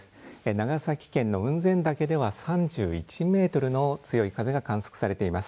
長崎県の雲仙岳では３１メートルの強い風が観測されています。